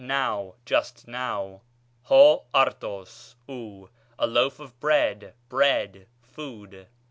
now, just now. ἄρτος, ov, ὁ, a loaf of bread, bread, food.